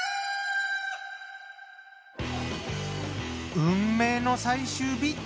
運命の最終日。